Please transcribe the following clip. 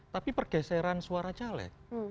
tapi pergeseran suara caleg